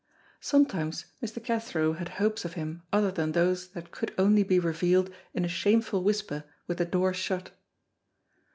Sometimes Mr. Cathro had hopes of him other than those that could only be revealed in a shameful whisper with the door shut.